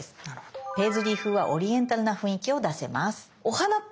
ペイズリー風はオリエンタルな雰囲気を出せます。